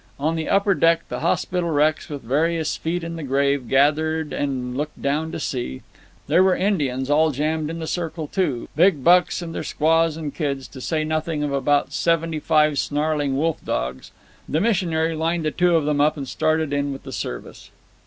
On the upper deck the hospital wrecks, with various feet in the grave, gathered and looked down to see. There were Indians all jammed in the circle, too, big bucks, and their squaws and kids, to say nothing of about twenty five snarling wolf dogs. The missionary lined the two of them up and started in with the service.